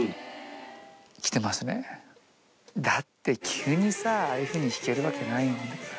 だって急にさああいうふうに弾けるわけないんだから。